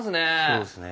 そうですね。